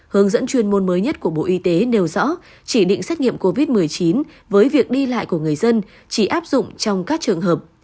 hướng dẫn chuyên môn mới nhất của bộ y tế nêu rõ chỉ định xét nghiệm covid một mươi chín với việc đi lại của người dân chỉ áp dụng trong các trường hợp